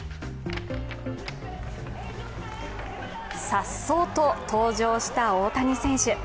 さっそうと登場した大谷選手。